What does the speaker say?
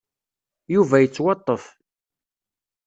Yuba yettwaṭṭef.